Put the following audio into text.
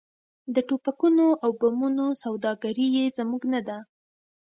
د ټوپکونو او بمونو سوداګري یې زموږ نه ده.